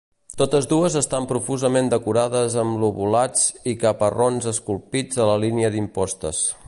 Totes dues estan profusament decorades amb lobulats i caparrons esculpits a la línia d'impostes.